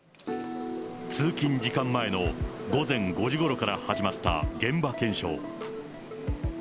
通勤時間前の午前５時ごろから始まった現場検証。